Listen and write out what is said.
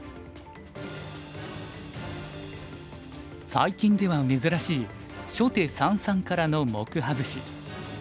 最近では珍しい初手三々からの目外し。